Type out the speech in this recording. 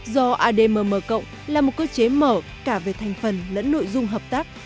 do admm là một cơ chế mở cả về thành phần lẫn nội dung hợp tác